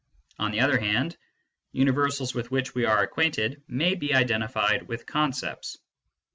(On the other hand, universals with which we are acquainted may be identified with concepts.)